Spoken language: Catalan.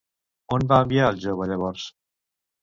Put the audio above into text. On va enviar al jove llavors?